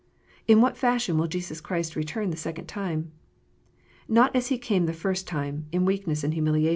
In what fashion will Jesus Christ return the second time ? Not as He came the first time, in weakness and humiliation.